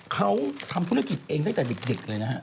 เขาทำธุรกิจเองตั้งแต่เด็กเลยนะฮะ